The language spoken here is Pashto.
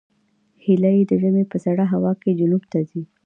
هیلۍ د ژمي په سړه هوا کې جنوب ته ځي